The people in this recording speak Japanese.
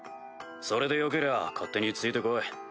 それでよけりゃ勝手について来い。